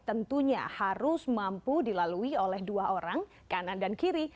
tentunya harus mampu dilalui oleh dua orang kanan dan kiri